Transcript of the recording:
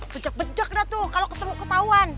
bejek bejek dah tuh kalau ketahuan